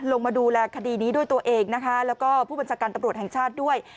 ลงมาดูแลคดีนี้ด้วยตัวเองนะคะแล้วก็ผู้บัญชาการตำรวจแห่งชาติด้วย